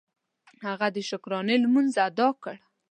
هغه د شکرانې لمونځ ادا کړ.